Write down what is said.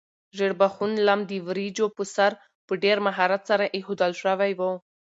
ژیړبخون لم د وریجو په سر په ډېر مهارت سره ایښودل شوی و.